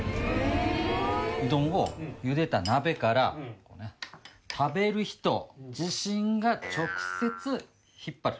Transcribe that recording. うどんを茹でた鍋から食べる人自身が直接引っ張る。